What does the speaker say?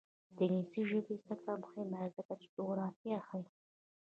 د انګلیسي ژبې زده کړه مهمه ده ځکه چې جغرافیه ښيي.